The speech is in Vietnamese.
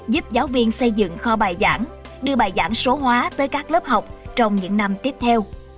giúp giáo viên xây dựng kho bài giảng đưa bài giảng số hóa tới các lớp học trong những năm tiếp theo